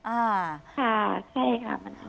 อ่าใช่ค่ะ